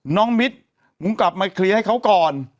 มิตรมึงกลับมาเคลียร์ให้เขาก่อน